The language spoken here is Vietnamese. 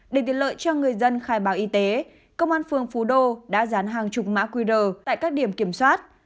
để tiện lợi cho người dân khai báo y tế công an phường phú đô đã dán hàng chục mã qr tại các điểm kiểm soát